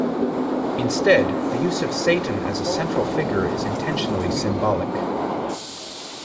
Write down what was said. Instead, the use of Satan as a central figure is intentionally symbolic.